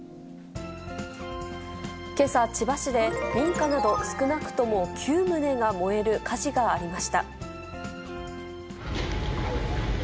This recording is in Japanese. けさ、千葉市で民家など少なくとも９棟が燃える火事がありました。